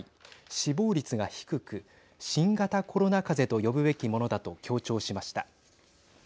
死亡率が低く新型コロナかぜと呼ぶべきものだと強調しました。